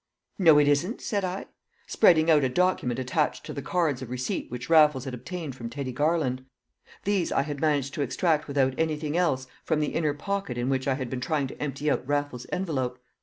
"No, it isn't," said I, spreading out a document attached to the cards of receipt which Raffles had obtained from Teddy Garland; these I had managed to extract without anything else from the inner pocket in which I had been trying to empty out Raffles's envelope.